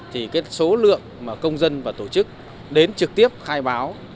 thì số lượng công dân và tổ chức đến trực tiếp khai báo